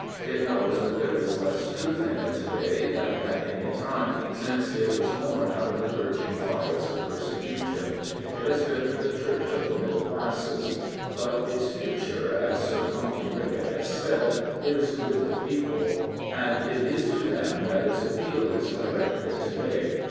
It knows that there is less truth in it to day than at any time since it was born out of the purging fires of persecution. It has been the Church 238 The Rev. R. J. Campbell of the middle classes ; but its future, as Sir Compton Rickett has said, is with the people, and it is to them that its appeal is directed to day.